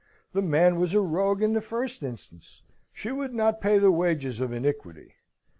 The man was a rogue in the first instance. She would not pay the wages of iniquity. Mr.